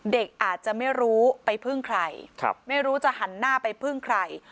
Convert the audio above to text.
เด็กอาจจะไม่รู้ไปพึ่งใครไม่รู้จะหันหน้าไปพึ่งใคร